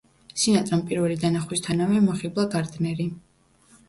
სინატრამ პირველი დანახვისთანავე მოხიბლა გარდნერი.